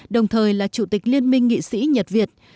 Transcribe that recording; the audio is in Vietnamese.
đồng thời là chủ tịch liên minh nghị sĩ nhật việt